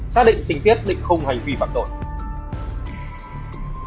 xác định tình tiết định khung hành vi phạm tội